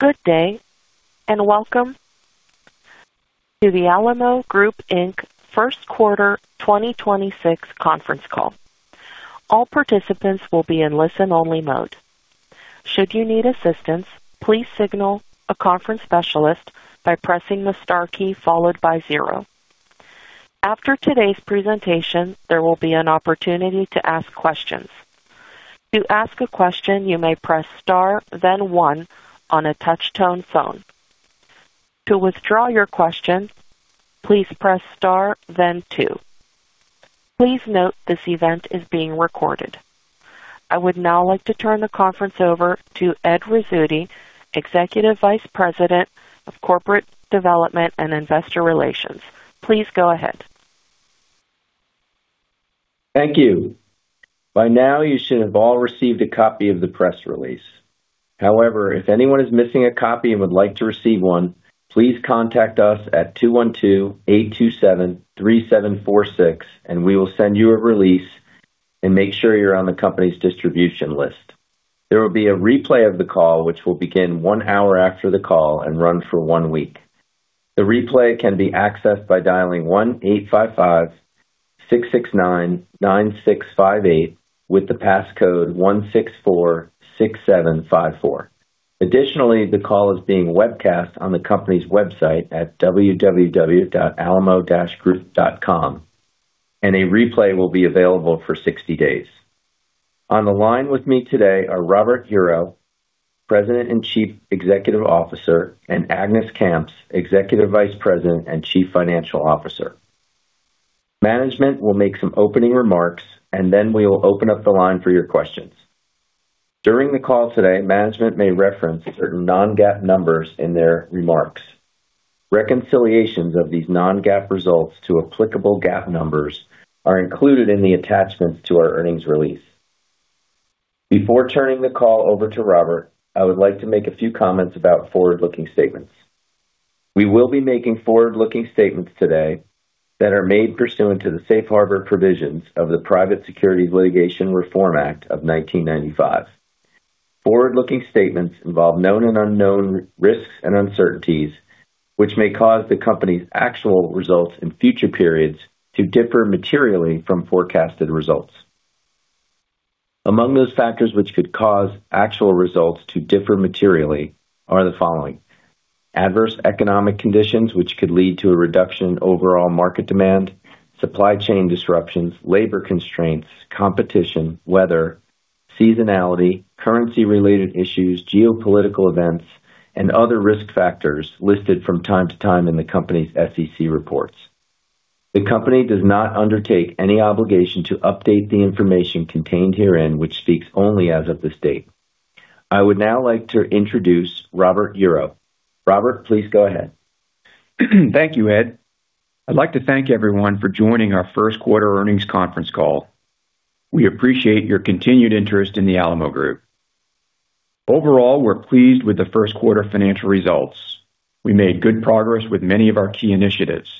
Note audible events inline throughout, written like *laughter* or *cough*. Good day, and welcome to the Alamo Group Inc. first quarter 2026 conference call. All participants will be on listen-only mode. Should you need assistance, please signal a conference specialist by pressing the star key followed by zero. After today's presentation, there will be an opportunity to ask questions. To ask a question, you may press star then one on a touchtone phone. To withdraw your question, please press star then two. Please note, this event is being recorded. I would now like to turn the conference over to Ed Rizzuti, Executive Vice President, Corporate Development & Investor Relations. Please go ahead. Thank you. By now, you should have all received a copy of the press release. However, if anyone is missing a copy and would like to receive one, please contact us at 212-827-3746, and we will send you a release and make sure you're on the company's distribution list. There will be a replay of the call, which will begin one hour after the call and run for one week. The replay can be accessed by dialing 1-855-669-9658 with the passcode 1646754. Additionally, the call is being webcast on the company's website at www.alamo-group.com, and a replay will be available for 60 days. On the line with me today are Robert Hureau, President and Chief Executive Officer, and Agnes Kamps, Executive Vice President and Chief Financial Officer. Management will make some opening remarks, and then we will open up the line for your questions. During the call today, management may reference certain non-GAAP numbers in their remarks. Reconciliations of these non-GAAP results to applicable GAAP numbers are included in the attachments to our earnings release. Before turning the call over to Robert, I would like to make a few comments about forward-looking statements. We will be making forward-looking statements today that are made pursuant to the Safe Harbor provisions of the Private Securities Litigation Reform Act of 1995. Forward-looking statements involve known and unknown risks and uncertainties, which may cause the company's actual results in future periods to differ materially from forecasted results. Among those factors which could cause actual results to differ materially are the following: adverse economic conditions which could lead to a reduction in overall market demand, supply chain disruptions, labor constraints, competition, weather, seasonality, currency-related issues, geopolitical events, and other risk factors listed from time to time in the company's SEC reports. The company does not undertake any obligation to update the information contained herein, which speaks only as of this date. I would now like to introduce Robert Hureau. Robert, please go ahead. Thank you, Ed. I'd like to thank everyone for joining our first quarter earnings conference call. We appreciate your continued interest in the Alamo Group. Overall, we're pleased with the first quarter financial results. We made good progress with many of our key initiatives.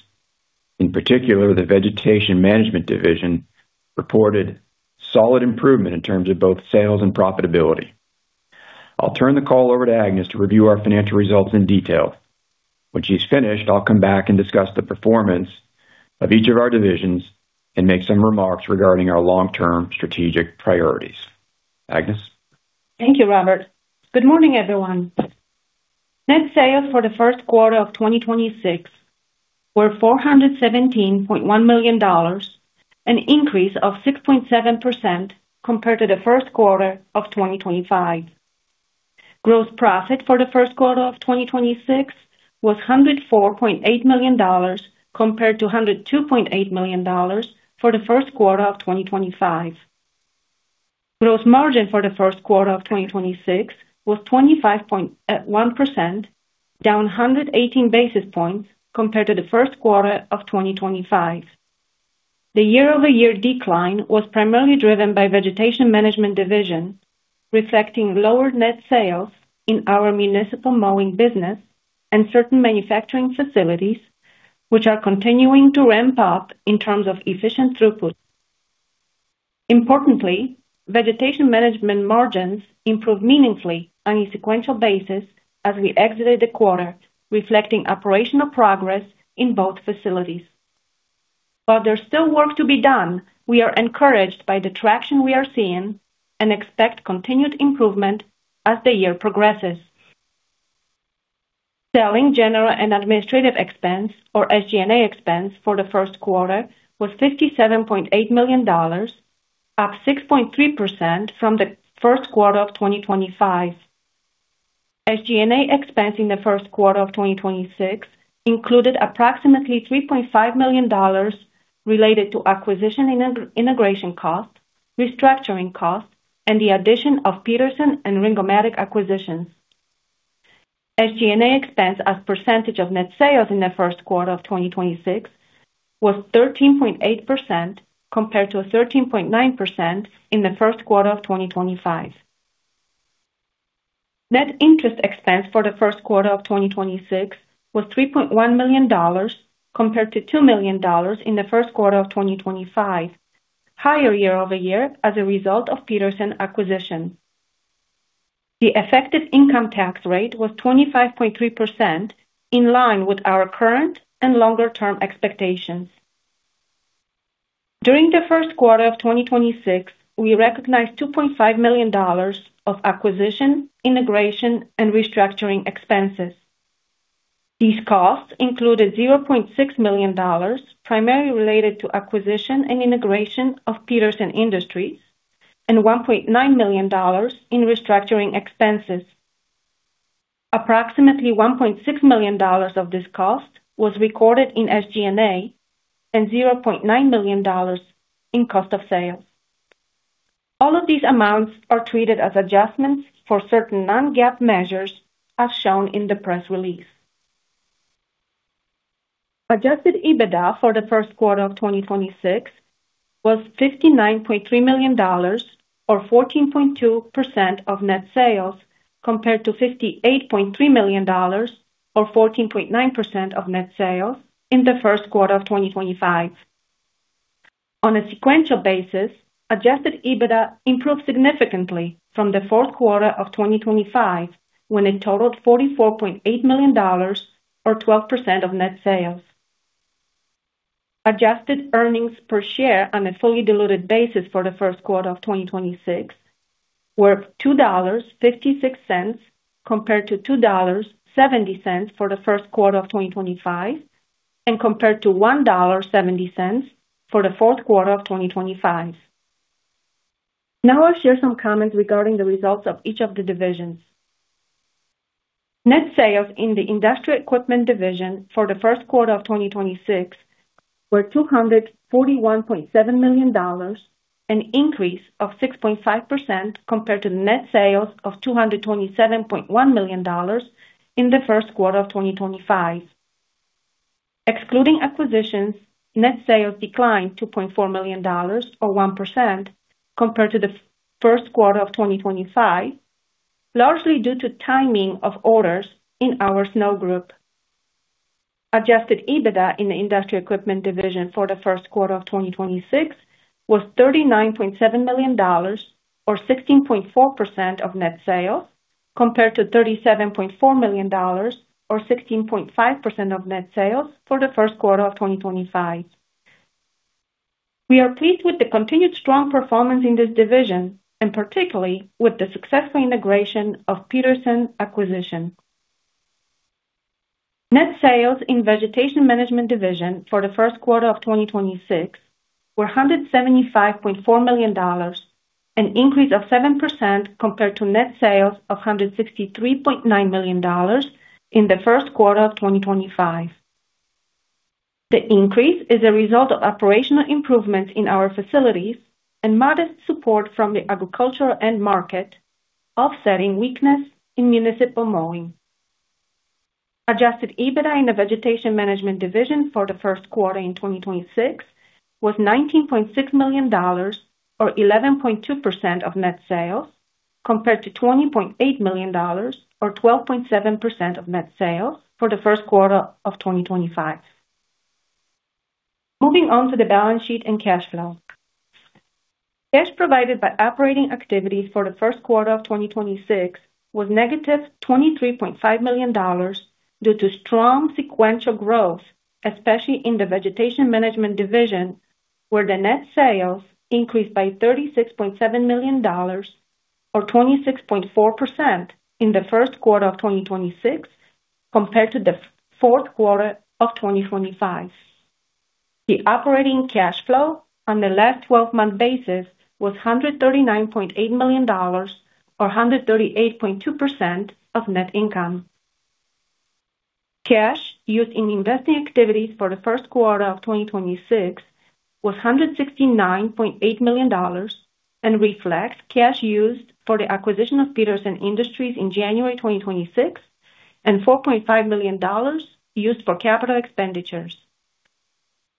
In particular, the Vegetation Management Division reported solid improvement in terms of both sales and profitability. I'll turn the call over to Agnes to review our financial results in detail. When she's finished, I'll come back and discuss the performance of each of our divisions and make some remarks regarding our long-term strategic priorities. Agnes? Thank you, Robert. Good morning, everyone. Net sales for the first quarter of 2026 were $417.1 million, an increase of 6.7% compared to the first quarter of 2025. Gross profit for the first quarter of 2026 was $104.8 million compared to $102.8 million for the first quarter of 2025. Gross margin for the first quarter of 2026 was 25.1%, down 118 basis points compared to the first quarter of 2025. The year-over-year decline was primarily driven by Vegetation Management Division, reflecting lower net sales in our municipal mowing business and certain manufacturing facilities, which are continuing to ramp up in terms of efficient throughput. Importantly, Vegetation Management margins improved meaningfully on a sequential basis as we exited the quarter, reflecting operational progress in both facilities. While there's still work to be done, we are encouraged by the traction we are seeing and expect continued improvement as the year progresses. Selling, general, and administrative expense or SG&A expense for the first quarter was $57.8 million, up 6.3% from the first quarter of 2025. SG&A expense in the first quarter of 2026 included approximately $3.5 million related to acquisition and integration costs, restructuring costs, and the addition of Petersen and Ring-O-Matic acquisitions. SG&A expense as percentage of net sales in the first quarter of 2026 was 13.8% compared to 13.9% in the first quarter of 2025. Net interest expense for the first quarter of 2026 was $3.1 million compared to $2 million in the first quarter of 2025. Higher year-over-year as a result of Petersen acquisition. The effective income tax rate was 25.3%, in line with our current and longer-term expectations. During the first quarter of 2026, we recognized $2.5 million of acquisition, integration, and restructuring expenses. These costs included $0.6 million, primarily related to acquisition and integration of Petersen Industries, and $1.9 million in restructuring expenses. Approximately $1.6 million of this cost was recorded in SG&A and $0.9 million in cost of sales. All of these amounts are treated as adjustments for certain non-GAAP measures, as shown in the press release. Adjusted EBITDA for the first quarter of 2026 was $59.3 million, or 14.2% of net sales, compared to $58.3 million or 14.9% of net sales in the first quarter of 2025. On a sequential basis, adjusted EBITDA improved significantly from the fourth quarter of 2025, when it totaled $44.8 million or 12% of net sales. Adjusted earnings per share on a fully diluted basis for the first quarter of 2026 were $2.56, compared to $2.70 for the first quarter of 2025, and compared to $1.70 for the fourth quarter of 2025. Now I'll share some comments regarding the results of each of the divisions. Net sales in the Industrial Equipment division for the first quarter of 2026 were $241.7 million, an increase of 6.5% compared to net sales of $227.1 million in the first quarter of 2025. Excluding acquisitions, net sales declined $2.4 million or 1% compared to the first quarter of 2025, largely due to timing of orders in our snow group. Adjusted EBITDA in the Industrial Equipment division for the first quarter of 2026 was $39.7 million or 16.4% of net sales, compared to $37.4 million or 16.5% of net sales for the first quarter of 2025. We are pleased with the continued strong performance in this Division and particularly with the successful integration of Petersen's acquisition. Net sales in Vegetation Management Division for the first quarter of 2026 were $175.4 million, an increase of 7% compared to net sales of $163.9 million in the first quarter of 2025. The increase is a result of operational improvements in our facilities and modest support from the agricultural end market, offsetting weakness in municipal mowing. Adjusted EBITDA in the Vegetation Management Division for the first quarter in 2026 was $19.6 million or 11.2% of net sales, compared to $20.8 million or 12.7% of net sales for the first quarter of 2025. Moving on to the balance sheet and cash flow. Cash provided by operating activities for the first quarter of 2026 was -$23.5 million due to strong sequential growth, especially in the Vegetation Management Division, where the net sales increased by $36.7 million or 26.4% in the first quarter of 2026 compared to the fourth quarter of 2025. The operating cash flow on the last 12-month basis was $139.8 million or 138.2% of net income. Cash used in investing activities for the first quarter of 2026 was $169.8 million and reflects cash used for the acquisition of Petersen Industries in January 2026 and $4.5 million used for capital expenditures.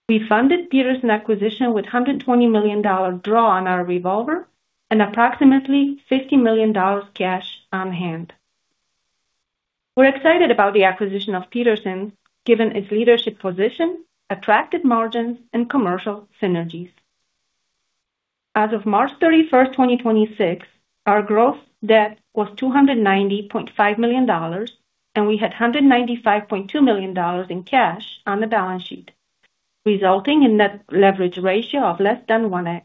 We funded Petersen acquisition with $120 million draw on our revolver and approximately $50 million cash on hand. We're excited about the acquisition of Petersen, given its leadership position, attractive margins, and commercial synergies. As of March 31, 2026, our gross debt was $290.5 million, and we had $195.2 million in cash on the balance sheet, resulting in net leverage ratio of less than 1x.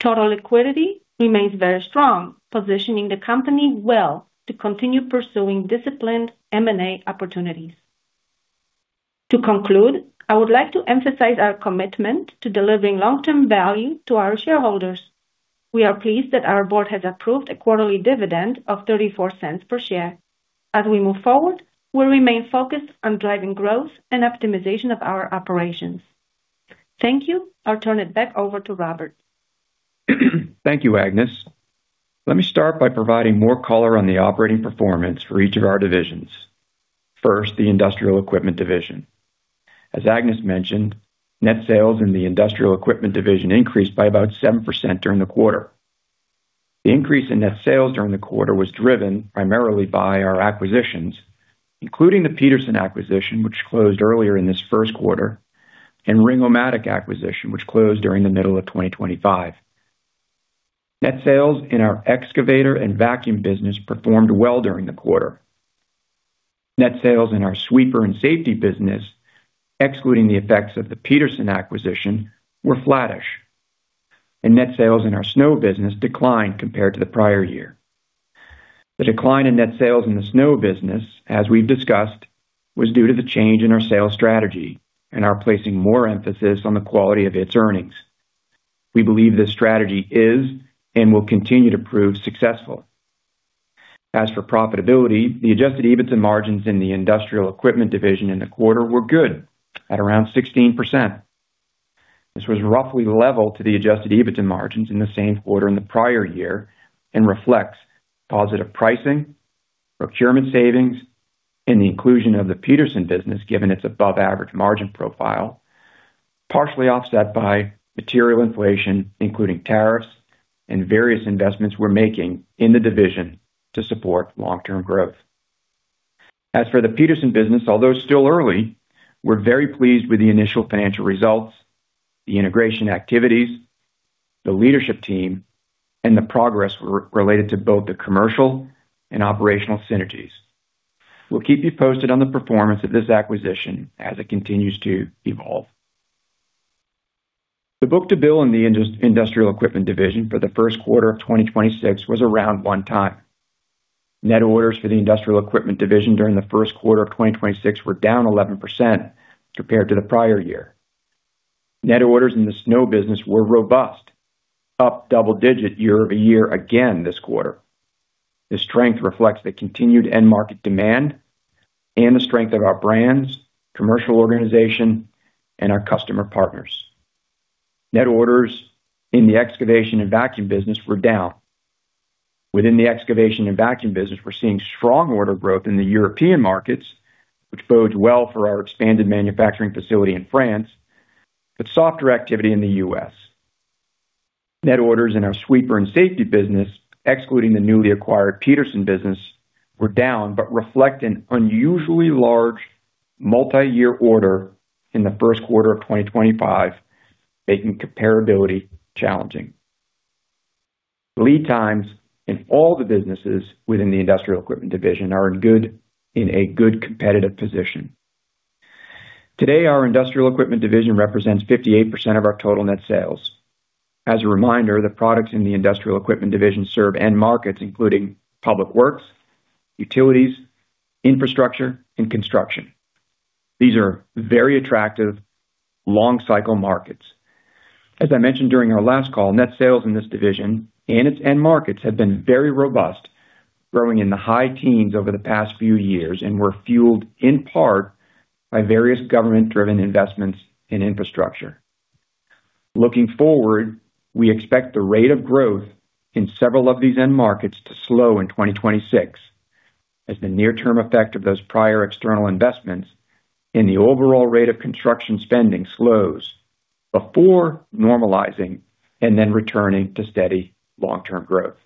Total liquidity remains very strong, positioning the company well to continue pursuing disciplined M&A opportunities. To conclude, I would like to emphasize our commitment to delivering long-term value to our shareholders. We are pleased that our board has approved a quarterly dividend of $0.34 per share. As we move forward, we'll remain focused on driving growth and optimization of our operations. Thank you. I'll turn it back over to Robert. Thank you, Agnes. Let me start by providing more color on the operating performance for each of our divisions. First, the Industrial Equipment division. As Agnes mentioned, net sales in the Industrial Equipment division increased by about 7% during the quarter. The increase in net sales during the quarter was driven primarily by our acquisitions, including the Petersen acquisition, which closed earlier in this first quarter, and Ring-O-Matic acquisition, which closed during the middle of 2025. Net sales in our excavator and vacuum business performed well during the quarter. Net sales in our sweeper and safety business, excluding the effects of the Petersen acquisition, were flattish. Net sales in the snow business declined compared to the prior year. The decline in net sales in the snow business, as we've discussed, was due to the change in our sales strategy and our placing more emphasis on the quality of its earnings. We believe this strategy is and will continue to prove successful. As for profitability, the adjusted EBITDA margins in the Industrial Equipment division in the quarter were good at around 16%. This was roughly level to the adjusted EBITDA margins in the same quarter in the prior year and reflects positive pricing, procurement savings, and the inclusion of the Petersen business, given its above-average margin profile, partially offset by material inflation, including tariffs and various investments we're making in the division to support long-term growth. As for the Petersen business, although still early, we're very pleased with the initial financial results, the integration activities, the leadership team, and the progress related to both the commercial and operational synergies. We'll keep you posted on the performance of this acquisition as it continues to evolve. The book-to-bill in the Industrial Equipment division for the first quarter of 2026 was around one time. Net orders for the Industrial Equipment division during the first quarter of 2026 were down 11% compared to the prior year. Net orders in the snow business were robust, up double-digit year-over-year again this quarter. This strength reflects the continued end market demand and the strength of our brands, commercial organization, and our customer partners. Net orders in the excavation and vacuum business were down. Within the excavation and vacuum business, we're seeing strong order growth in the European markets, which bodes well for our expanded manufacturing facility in France, but softer activity in the U.S. Net orders in our sweeper and safety business, excluding the newly acquired Petersen business, were down but reflect an unusually large multiyear order in the first quarter of 2025, making comparability challenging. Lead times in all the businesses within the Industrial Equipment division are in a good competitive position. Today, our Industrial Equipment division represents 58% of our total net sales. As a reminder, the products in the Industrial Equipment division serve end markets, including public works, utilities, infrastructure, and construction. These are very attractive long cycle markets. As I mentioned during our last call, net sales in this division and its end markets have been very robust, growing in the high teens over the past few years and were fueled in part by various government-driven investments in infrastructure. Looking forward, we expect the rate of growth in several of these end markets to slow in 2026 as the near-term effect of those prior external investments and the overall rate of construction spending slows before normalizing and then returning to steady long-term growth.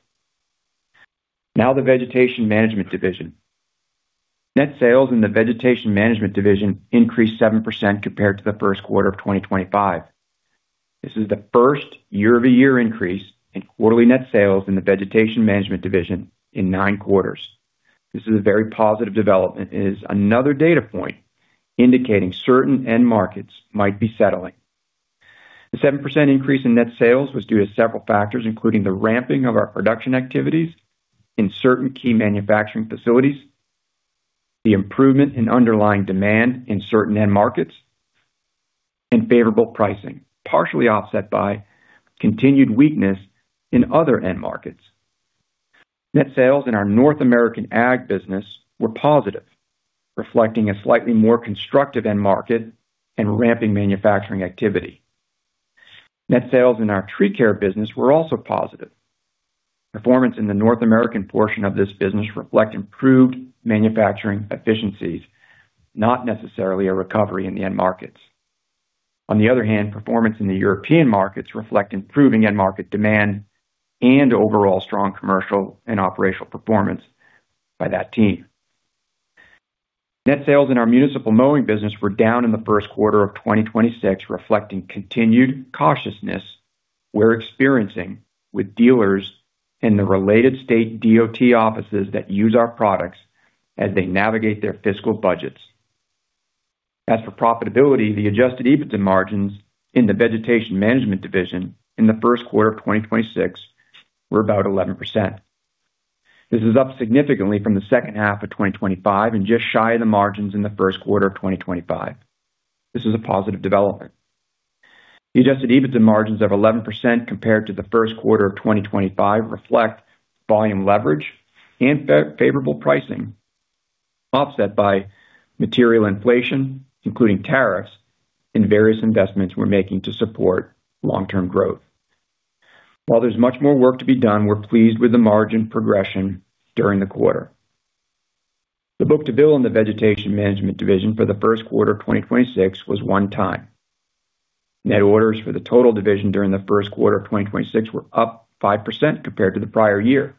Now the Vegetation Management Division. Net sales in the Vegetation Management Division increased 7% compared to the first quarter of 2025. This is the first year-over-year increase in quarterly net sales in the Vegetation Management Division in nine quarters. This is a very positive development and is another data point indicating certain end markets might be settling. The 7% increase in net sales was due to several factors, including the ramping of our production activities in certain key manufacturing facilities, the improvement in underlying demand in certain end markets, and favorable pricing, partially offset by continued weakness in other end markets. Net sales in our North American ag business were positive, reflecting a slightly more constructive end market and ramping manufacturing activity. Net sales in our tree care business were also positive. Performance in the North American portion of this business reflect improved manufacturing efficiencies, not necessarily a recovery in the end markets. On the other hand, performance in the European markets reflect improving end market demand and overall strong commercial and operational performance by that team. Net sales in our municipal mowing business were down in the first quarter of 2026, reflecting continued cautiousness we're experiencing with dealers and the related state DOT offices that use our products as they navigate their fiscal budgets. As for profitability, the adjusted EBITDA margins in the Vegetation Management Division in the first quarter of 2026 were about 11%. This is up significantly from the second half of 2025 and just shy of the margins in the first quarter of 2025. This is a positive development. The adjusted EBITDA margins of 11% compared to the first quarter of 2025 reflect volume leverage and favorable pricing, offset by material inflation, including tariffs and various investments we're making to support long-term growth. While there's much more work to be done, we're pleased with the margin progression during the quarter. The book-to-bill in the Vegetation Management Division for the first quarter of 2026 was one time. Net orders for the total division during the first quarter of 2026 were up 5% compared to the prior year.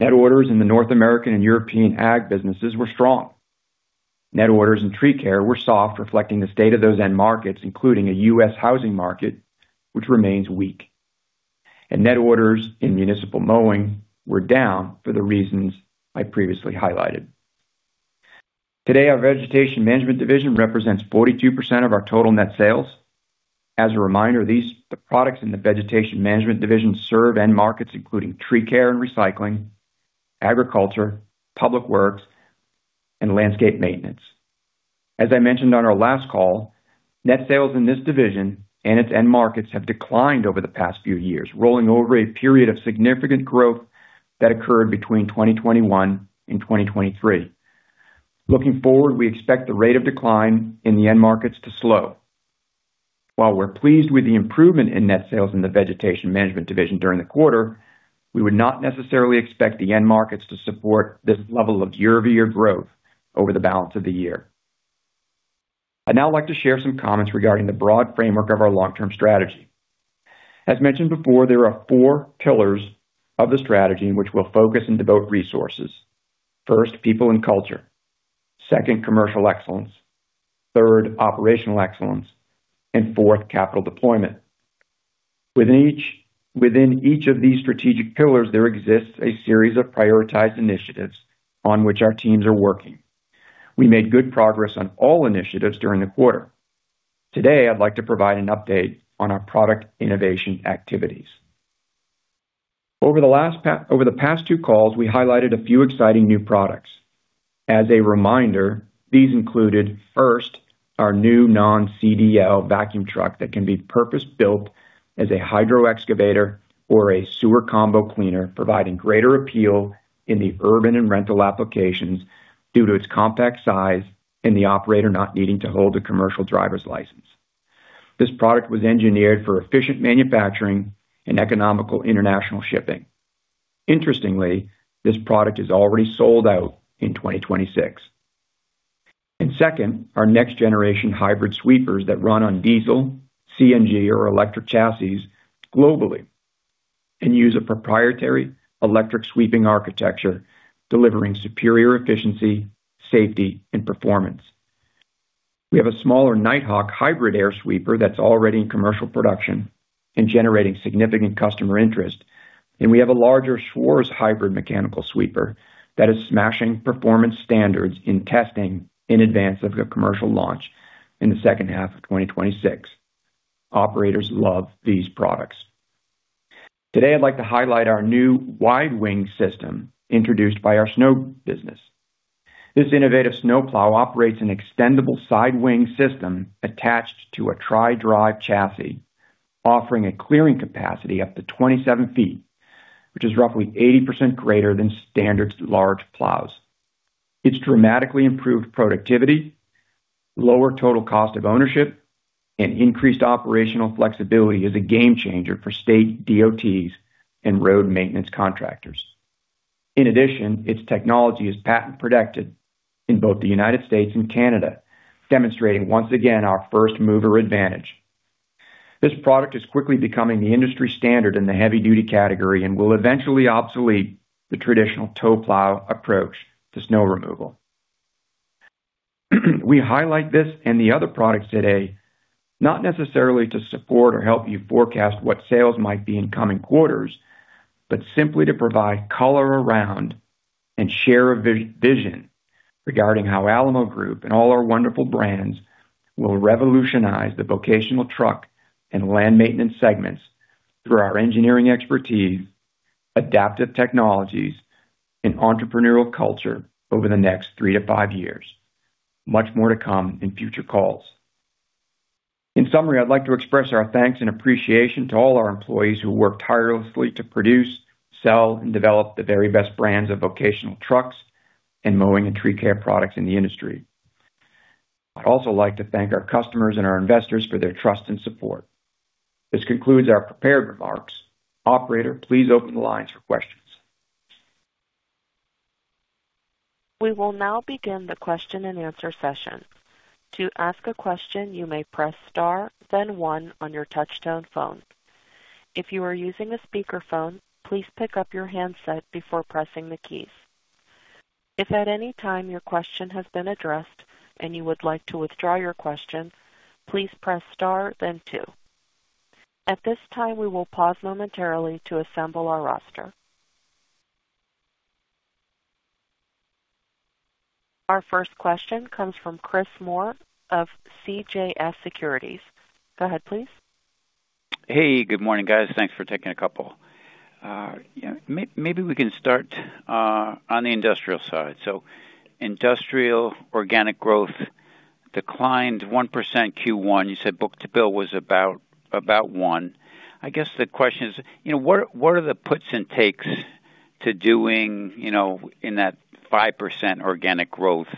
Net orders in the North American and European ag businesses were strong. Net orders in tree care were soft, reflecting the state of those end markets, including a U.S. housing market, which remains weak. Net orders in municipal mowing were down for the reasons I previously highlighted. Today, our Vegetation Management Division represents 42% of our total net sales. As a reminder, the products in the Vegetation Management Division serve end markets including tree care and recycling, agriculture, public works, and landscape maintenance. As I mentioned on our last call, net sales in this division and its end markets have declined over the past few years, rolling over a period of significant growth that occurred between 2021 and 2023. Looking forward, we expect the rate of decline in the end markets to slow. While we're pleased with the improvement in net sales in the Vegetation Management Division during the quarter, we would not necessarily expect the end markets to support this level of year-over-year growth over the balance of the year. I'd now like to share some comments regarding the broad framework of our long-term strategy. As mentioned before, there are four pillars of the strategy in which we'll focus and devote resources. First, people and culture. Second, commercial excellence. Third, operational excellence. Fourth, capital deployment. Within each of these strategic pillars, there exists a series of prioritized initiatives on which our teams are working. We made good progress on all initiatives during the quarter. Today, I'd like to provide an update on our product innovation activities. Over the past two calls, we highlighted a few exciting new products. As a reminder, these included, first, our new non-CDL vacuum truck that can be purpose-built as a hydro-excavator or a sewer combo cleaner, providing greater appeal in the urban and rental applications due to its compact size and the operator not needing to hold a commercial driver's license. This product was engineered for efficient manufacturing and economical international shipping. Interestingly, this product is already sold out in 2026. Second, our next generation hybrid sweepers that run on diesel, CNG, or electric chassis globally and use a proprietary electric sweeping architecture delivering superior efficiency, safety, and performance. We have a smaller NiteHawk hybrid air sweeper that's already in commercial production and generating significant customer interest, and we have a larger Schwarze hybrid mechanical sweeper that is smashing performance standards in testing in advance of a commercial launch in the second half of 2026. Operators love these products. Today, I'd like to highlight our new Wide Wing System introduced by our snow business. This innovative snowplow operates an extendable side wing system attached to a tri-drive chassis, offering a clearing capacity up to 27 feet, which is roughly 80% greater than standard large plows. Its dramatically improved productivity, lower total cost of ownership, and increased operational flexibility is a game changer for state DOTs and road maintenance contractors. In addition, its technology is patent protected in both the United States and Canada, demonstrating once again our first-mover advantage. This product is quickly becoming the industry standard in the heavy-duty category and will eventually obsolete the traditional tow plow approach to snow removal. We highlight this and the other products today, not necessarily to support or help you forecast what sales might be in coming quarters, but simply to provide color around and share a vision regarding how Alamo Group and all our wonderful brands will revolutionize the vocational truck and land maintenance segments through our engineering expertise, adaptive technologies, and entrepreneurial culture over the next three to five years. Much more to come in future calls. In summary, I'd like to express our thanks and appreciation to all our employees who work tirelessly to produce, sell, and develop the very best brands of vocational trucks and mowing and tree care products in the industry. I'd also like to thank our customers and our investors for their trust and support. This concludes our prepared remarks. Operator, please open the lines for questions. Our first question comes from Chris Moore of CJS Securities. Go ahead, please. Hey, good morning, guys. Thanks for taking a couple. Yeah, maybe we can start on the Industrial side. Industrial organic growth declined 1% Q1. You said book-to-bill was about 1. I guess the question is, you know, what are the puts and takes to doing, you know, in that 5% organic growth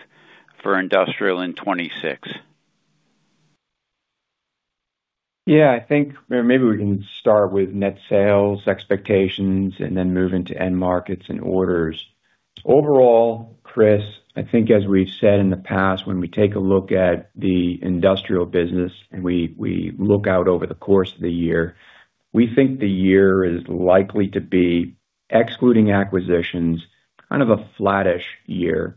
for Industrial in 2026? Yeah, I think maybe we can start with net sales expectations and then move into end markets and orders. Overall, Chris, I think as we've said in the past, when we take a look at the industrial business and we look out over the course of the year, we think the year is likely to be excluding acquisitions, kind of a flattish year.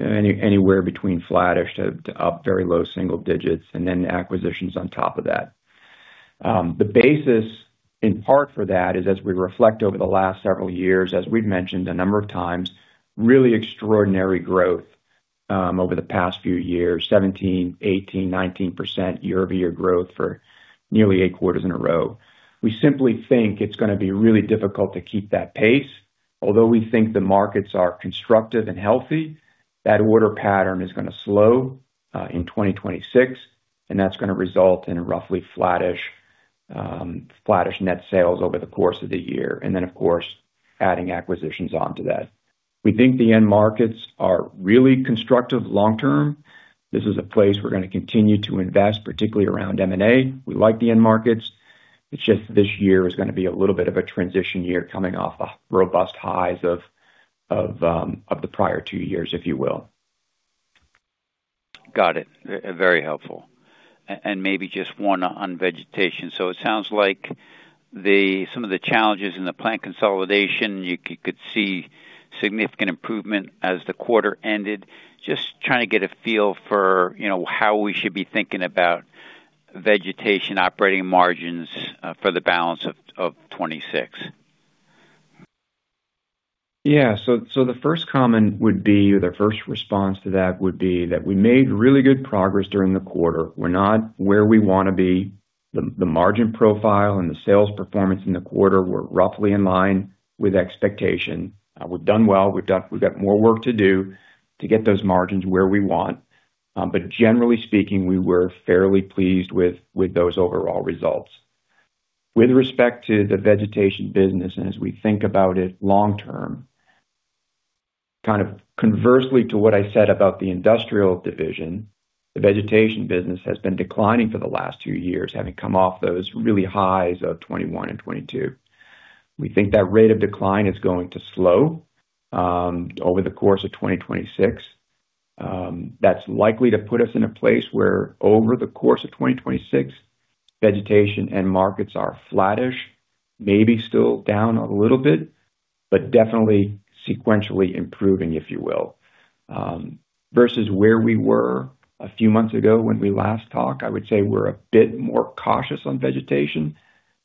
Anywhere between flattish to up very low single digits and then acquisitions on top of that. The basis in part for that is as we reflect over the last several years, as we've mentioned a number of times, really extraordinary growth over the past few years. 17%, 18%, 19% year-over-year growth for nearly eight quarters in a row. We simply think it's gonna be really difficult to keep that pace. Although we think the markets are constructive and healthy, that order pattern is gonna slow in 2026, and that's gonna result in a roughly flattish net sales over the course of the year. Then, of course, adding acquisitions onto that. We think the end markets are really constructive long term. This is a place we're gonna continue to invest, particularly around M&A. We like the end markets. It's just this year is gonna be a little bit of a transition year coming off a robust highs of the prior two years, if you will. Got it. Very helpful. Maybe just one on vegetation. It sounds like some of the challenges in the plant consolidation, you could see significant improvement as the quarter ended. Just trying to get a feel for, you know, how we should be thinking about vegetation operating margins for the balance of 2026. Yeah. The first comment would be, the first response to that would be that we made really good progress during the quarter. We're not where we wanna be. The margin profile and the sales performance in the quarter were roughly in line with expectation. We've done well. We've got more work to do to get those margins where we want. Generally speaking, we were fairly pleased with those overall results. With respect to the vegetation business, and as we think about it long term, kind of conversely to what I said about the industrial division, the vegetation business has been declining for the last two years, having come off those really highs of 2021 and 2022. We think that rate of decline is going to slow over the course of 2026. That's likely to put us in a place where over the course of 2026, vegetation end markets are flattish, maybe still down a little bit, but definitely sequentially improving, if you will. Versus where we were a few months ago when we last talked, I would say we're a bit more cautious on vegetation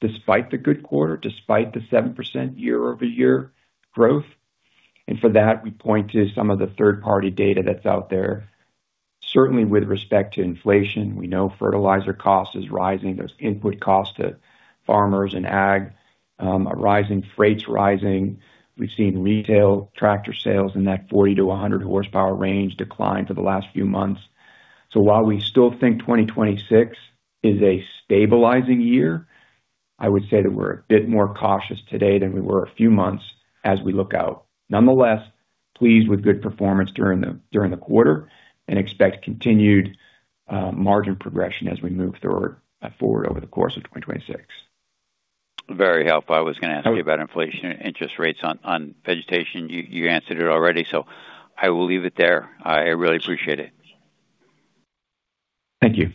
despite the good quarter, despite the 7% year-over-year growth. For that, we point to some of the third-party data that's out there. Certainly with respect to inflation, we know fertilizer cost is rising. There's input costs to farmers and ag are rising, freight's rising. We've seen retail tractor sales in that 40 to 100 horsepower range decline for the last few months. While we still think 2026 is a stabilizing year, I would say that we're a bit more cautious today than we were a few months as we look out. Nonetheless, pleased with good performance during the quarter and expect continued margin progression as we move forward over the course of 2026. Very helpful. I was gonna ask you about inflation and interest rates on vegetation. You answered it already, so I will leave it there. I really appreciate it. Thank you.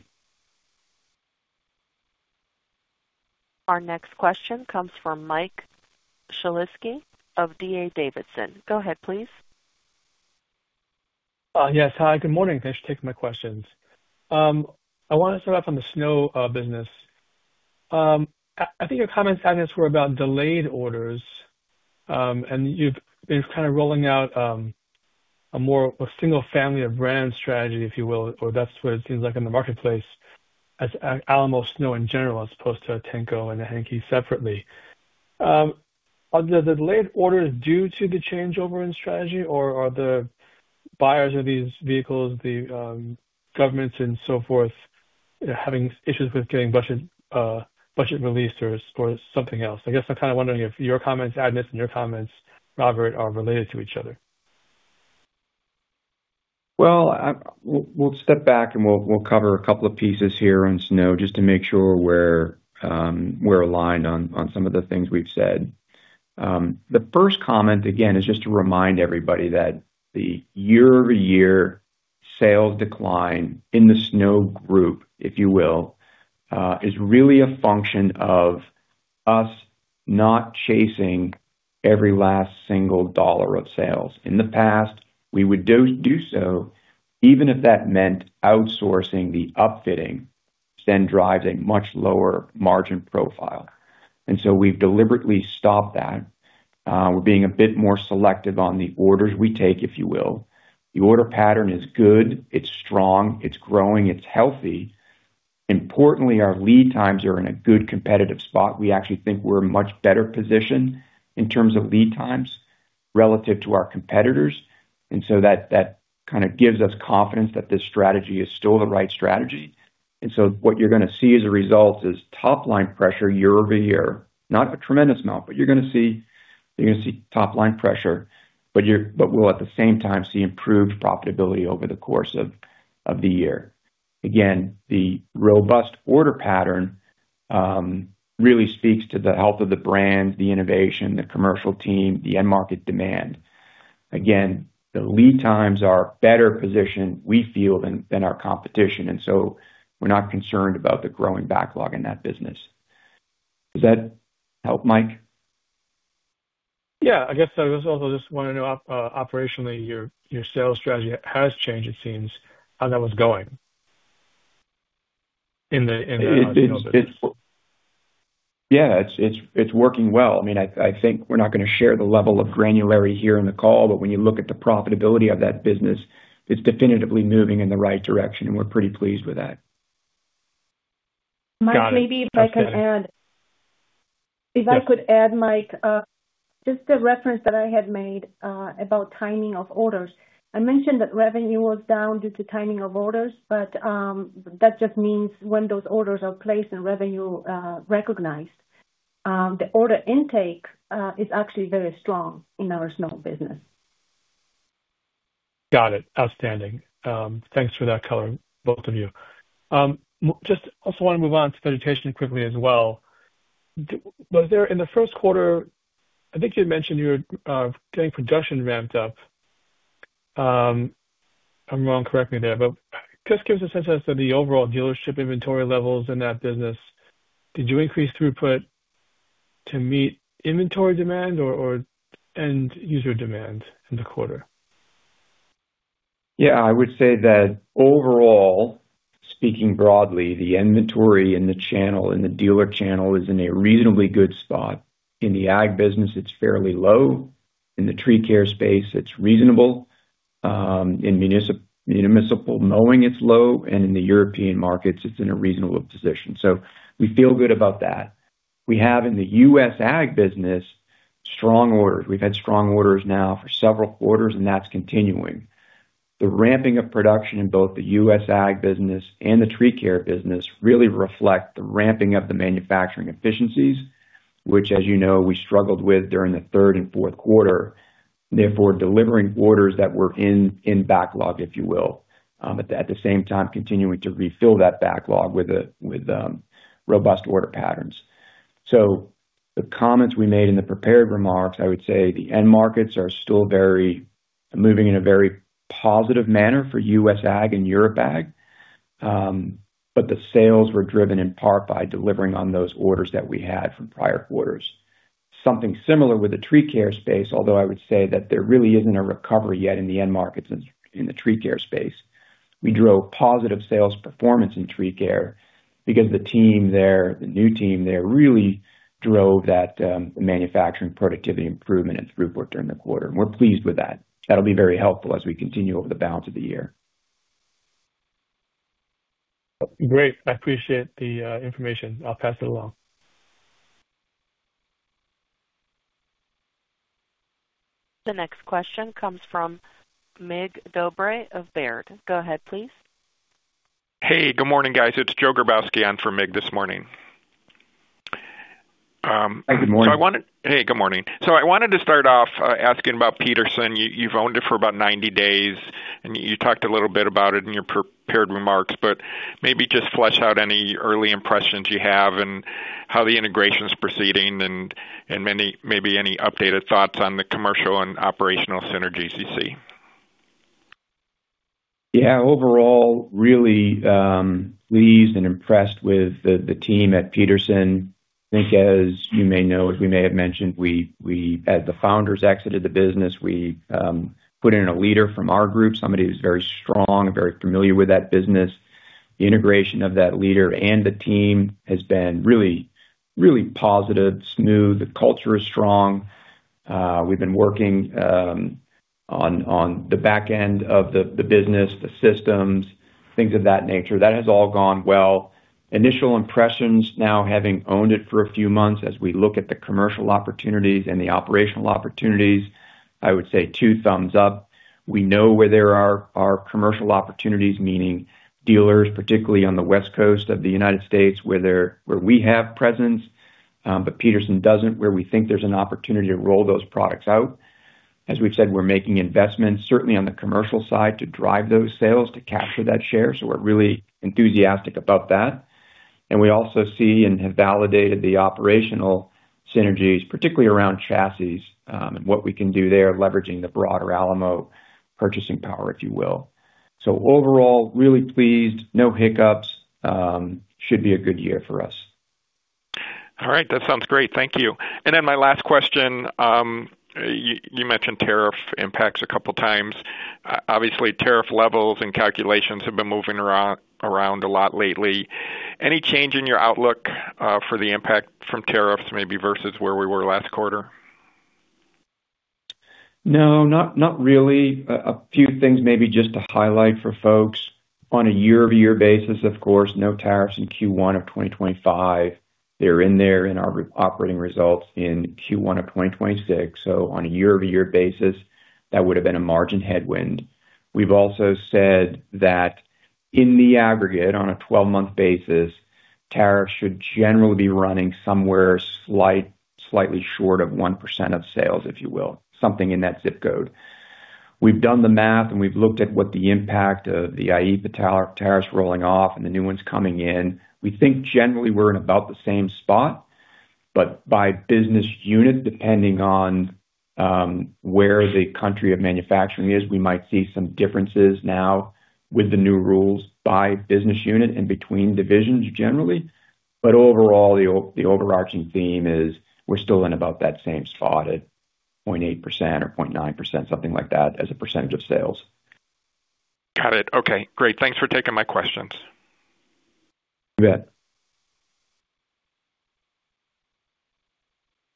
Our next question comes from Mike Shlisky of D.A. Davidson. Go ahead, please. Yes. Hi, good morning. Thanks for taking my questions. I wanna start off on the snow business. I think your comments, Agnes, were about delayed orders, and you've been kind of rolling out a single family of brand strategy, if you will, or that's what it seems like in the marketplace as Alamo Snow in general, as opposed to Tenco and Henke separately. Are the delayed orders due to the changeover in strategy or are the buyers of these vehicles, the governments and so forth, having issues with getting budget released or something else? I guess I'm kind of wondering if your comments, Agnes, and your comments, Robert Hureau, are related to each other. Well, we'll step back, and we'll cover a couple of pieces here on snow just to make sure we're aligned on some of the things we've said. The first comment, again, is just to remind everybody that the year-over-year sales decline in the snow group, if you will, is really a function of us not chasing every last single dollar of sales. In the past, we would do so, even if that meant outsourcing the upfitting, which then drives a much lower margin profile. We've deliberately stopped that. We're being a bit more selective on the orders we take, if you will. The order pattern is good, it's strong, it's growing, it's healthy. Importantly, our lead times are in a good competitive spot. We actually think we're much better positioned in terms of lead times relative to our competitors. That kind of gives us confidence that this strategy is still the right strategy. What you're gonna see as a result is top line pressure year over year. Not a tremendous amount, but you're gonna see top line pressure, but we'll at the same time see improved profitability over the course of the year. Again, the robust order pattern really speaks to the health of the brand, the innovation, the commercial team, the end market demand. Again, the lead times are better positioned, we feel, than our competition, and so we're not concerned about the growing backlog in that business. Does that help, Mike? Yeah. I guess I was also just wanna know operationally, your sales strategy has changed, it seems. How that one's going in the? *crosstalk* It's, yeah, it's working well. I mean, I think we're not gonna share the level of granularity here in the call, but when you look at the profitability of that business, it's definitively moving in the right direction, and we're pretty pleased with that. Got it. Outstanding. Mike, maybe if I could add. If I could add, Mike, just the reference that I had made about timing of orders. I mentioned that revenue was down due to timing of orders, but that just means when those orders are placed and revenue recognized. The order intake is actually very strong in our Snow business. Got it. Outstanding. Thanks for that color, both of you. Just also wanna move on to Vegetation quickly as well. Was there in the first quarter, I think you'd mentioned you were getting production ramped up? If I'm wrong, correct me there, but just gives a sense as to the overall dealership inventory levels in that business. Did you increase throughput to meet inventory demand or and user demand in the quarter? Yeah. I would say that overall, speaking broadly, the inventory in the channel, in the dealer channel is in a reasonably good spot. In the ag business, it's fairly low. In the tree care space, it's reasonable. In municipal mowing, it's low, and in the European markets, it's in a reasonable position. We feel good about that. We have, in the U.S. ag business, strong orders. We've had strong orders now for several quarters, and that's continuing. The ramping of production in both the U.S. ag business and the tree care business really reflect the ramping of the manufacturing efficiencies, which, as you know, we struggled with during the third and fourth quarter. Therefore, delivering orders that were in backlog, if you will. At the same time, continuing to refill that backlog with robust order patterns. The comments we made in the prepared remarks, I would say the end markets are still very moving in a very positive manner for U.S. ag and Europe ag. The sales were driven in part by delivering on those orders that we had from prior quarters. Something similar with the tree care space, although I would say that there really isn't a recovery yet in the end markets in the tree care space. We drove positive sales performance in tree care because the team there, the new team there, really drove that, the manufacturing productivity improvement and throughput during the quarter. We're pleased with that. That'll be very helpful as we continue over the balance of the year. Great. I appreciate the information. I'll pass it along. The next question comes from Mig Dobre of Baird. Go ahead, please. Hey, good morning, guys. It's Joe Grabowski on for Mig this morning. Good morning. Hey, good morning. I wanted to start off asking about Petersen. You've owned it for about 90 days, and you talked a little bit about it in your prepared remarks, but maybe just flesh out any early impressions you have and how the integration's proceeding and maybe any updated thoughts on the commercial and operational synergies you see. Overall, really pleased and impressed with the team at Petersen. I think as you may know, as we may have mentioned, we, as the founders exited the business, we put in a leader from our group, somebody who's very strong and very familiar with that business. The integration of that leader and the team has been really positive, smooth. The culture is strong. We've been working on the back end of the business, the systems, things of that nature. That has all gone well. Initial impressions now having owned it for a few months as we look at the commercial opportunities and the operational opportunities, I would say two thumbs up. We know where there are commercial opportunities, meaning dealers, particularly on the West Coast of the U.S., where we have presence, but Petersen doesn't, where we think there's an opportunity to roll those products out. We've said, we're making investments, certainly on the commercial side, to drive those sales, to capture that share. We're really enthusiastic about that. We also see and have validated the operational synergies, particularly around chassis, and what we can do there, leveraging the broader Alamo purchasing power, if you will. Overall, really pleased. No hiccups. Should be a good year for us. All right. That sounds great. Thank you. My last question, you mentioned tariff impacts a couple times. Obviously, tariff levels and calculations have been moving around a lot lately. Any change in your outlook for the impact from tariffs maybe versus where we were last quarter? Not really. A few things maybe just to highlight for folks. On a year-over-year basis, of course, no tariffs in Q1 of 2025. They're in there in our operating results in Q1 of 2026. On a year-over-year basis, that would've been a margin headwind. We've also said that in the aggregate, on a 12-month basis. Tariffs should generally be running somewhere slightly short of 1% of sales, if you will. Something in that zip code. We've done the math, we've looked at what the impact of the IEEPA, the tariffs rolling off and the new ones coming in. We think generally we're in about the same spot. By business unit, depending on where the country of manufacturing is, we might see some differences now with the new rules by business unit and between divisions generally. Overall, the overarching theme is we're still in about that same spot at 0.8% or 0.9%, something like that, as a percentage of sales. Got it. Okay. Great. Thanks for taking my questions. You bet.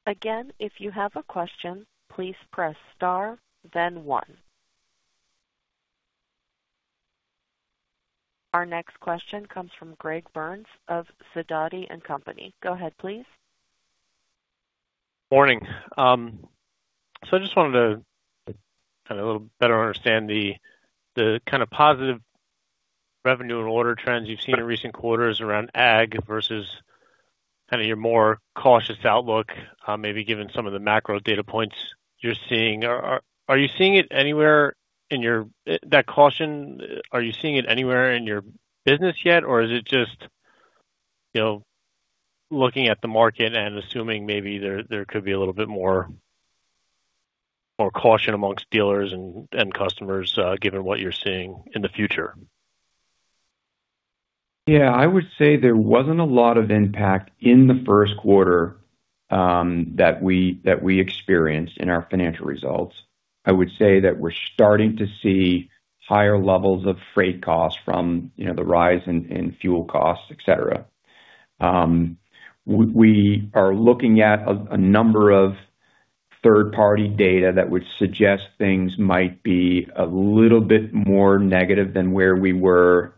Again, if you have a question, please press star then one. Our next question comes from Greg Burns of Sidoti & Company. Go ahead, please. Morning. I just wanted to kind of a little better understand the kind of positive revenue and order trends you've seen in recent quarters around ag versus kind of your more cautious outlook, maybe given some of the macro data points you're seeing. Are you seeing it anywhere in your business yet? Is it just, you know, looking at the market and assuming maybe there could be a little bit more caution amongst dealers and customers, given what you're seeing in the future? Yeah. I would say there wasn't a lot of impact in the first quarter that we experienced in our financial results. I would say that we're starting to see higher levels of freight costs from, you know, the rise in fuel costs, et cetera. We are looking at a number of third-party data that would suggest things might be a little bit more negative than where we were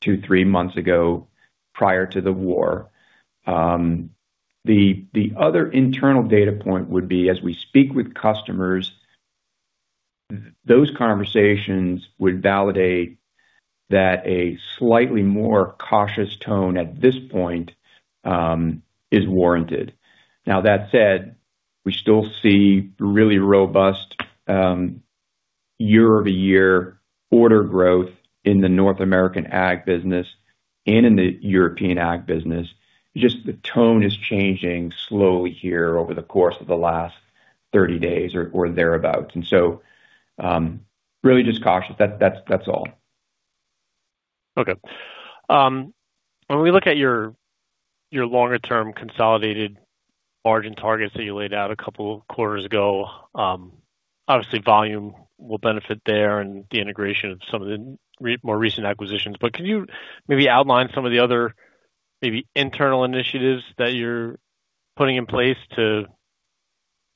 two, three months ago prior to the war. The other internal data point would be, as we speak with customers, those conversations would validate that a slightly more cautious tone at this point is warranted. Now that said, we still see really robust year-over-year order growth in the North American ag business and in the European ag business. Just the tone is changing slowly here over the course of the last 30 days or thereabout. Really just cautious. That's all. Okay. When we look at your longer term consolidated margin targets that you laid out a couple of quarters ago, obviously volume will benefit there and the integration of some of the more recent acquisitions. Can you maybe outline some of the other maybe internal initiatives that you're putting in place to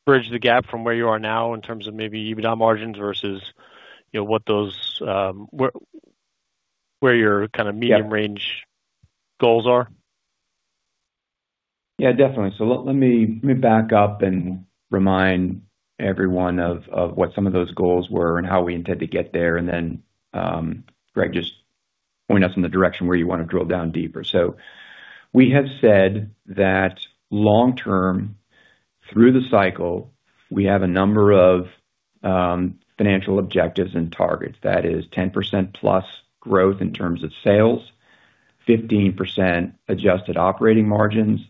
bridge the gap from where you are now in terms of maybe EBITDA margins versus, you know, what those, your kind of medium-range goals are? Yeah, definitely. Let me, let me back up and remind everyone of what some of those goals were and how we intend to get there. Greg, just point us in the direction where you wanna drill down deeper. We have said that long term through the cycle, we have a number of financial objectives and targets. That is 10% plus growth in terms of sales, 15% adjusted operating margins,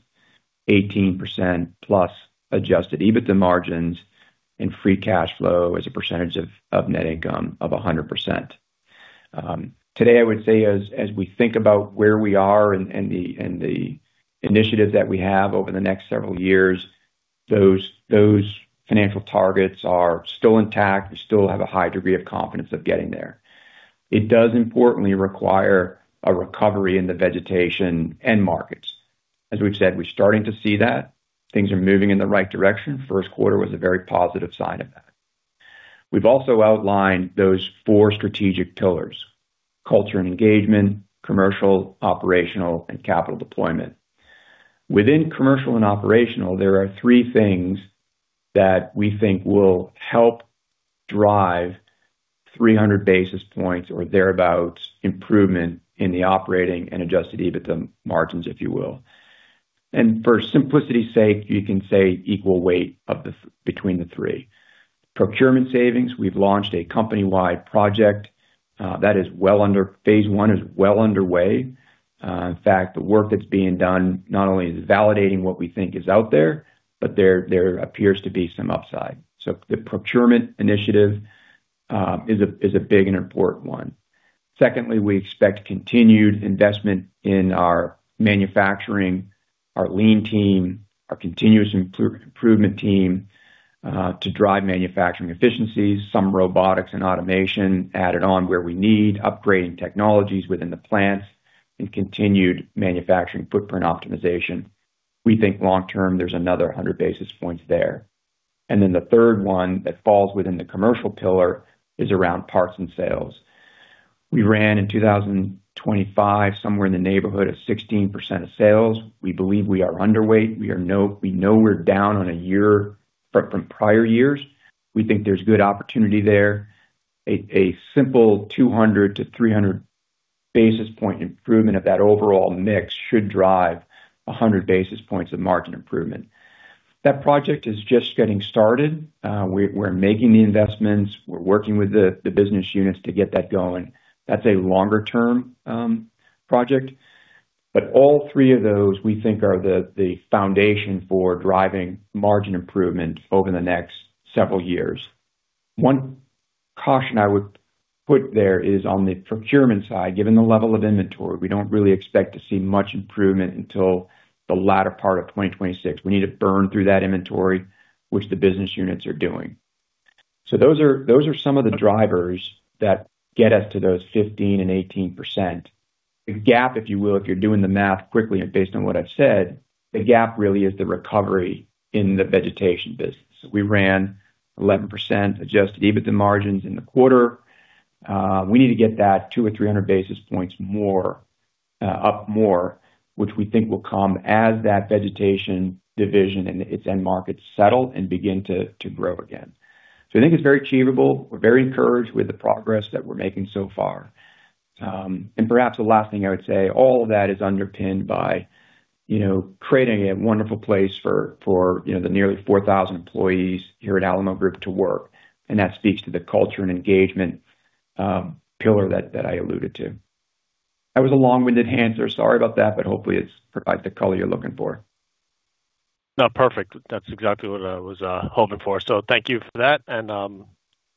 18% plus adjusted EBITDA margins, and free cash flow as a percentage of net income of 100%. Today I would say as we think about where we are and the initiatives that we have over the next several years, those financial targets are still intact. We still have a high degree of confidence of getting there. It does importantly require a recovery in the vegetation end markets. As we've said, we're starting to see that. Things are moving in the right direction. First quarter was a very positive sign of that. We've also outlined those four strategic pillars: culture and engagement, commercial, operational, and capital deployment. Within commercial and operational, there are three things that we think will help drive 300 basis points or thereabout improvement in the operating and adjusted EBITDA margins, if you will. For simplicity's sake, you can say equal weight between the three. Procurement savings, we've launched a company-wide project. Phase 1 is well underway. In fact, the work that's being done not only is validating what we think is out there, but there appears to be some upside. The Procurement Initiative is a big and important one. Secondly, we expect continued investment in our manufacturing, our lean team, our continuous improvement team, to drive manufacturing efficiencies. Some robotics and automation added on where we need, upgrading technologies within the plants, and continued manufacturing footprint optimization. We think long term there's another 100 basis points there. The third one that falls within the commercial pillar is around parts and sales. We ran in 2025 somewhere in the neighborhood of 16% of sales. We believe we are underweight. We know we're down on a year from prior years. We think there's good opportunity there. A simple 200-300 basis point improvement of that overall mix should drive 100 basis points of margin improvement. That project is just getting started. We're making the investments. We're working with the business units to get that going. That's a longer-term project. All three of those we think are the foundation for driving margin improvement over the next several years. One caution I would put there is on the procurement side. Given the level of inventory, we don't really expect to see much improvement until the latter part of 2026. We need to burn through that inventory, which the business units are doing. Those are some of the drivers that get us to those 15% and 18%. The gap, if you will, if you're doing the math quickly and based on what I've said, the gap really is the recovery in the vegetation business. We ran 11% adjusted EBITDA margins in the quarter. We need to get that 200 or 300 basis points more up more, which we think will come as that Vegetation Division and its end markets settle and begin to grow again. I think it's very achievable. We're very encouraged with the progress that we're making so far. Perhaps the last thing I would say, all of that is underpinned by, you know, creating a wonderful place for, you know, the nearly 4,000 employees here at Alamo Group to work. That speaks to the culture and engagement pillar that I alluded to. That was a long-winded answer. Sorry about that, but hopefully it's provided the color you're looking for. No, perfect. That's exactly what I was hoping for. Thank you for that.